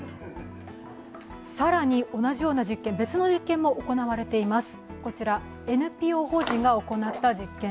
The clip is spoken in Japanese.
更に、同じような別の実験も行われています。